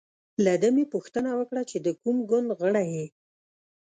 له ده مې پوښتنه وکړه چې د کوم ګوند غړی یې.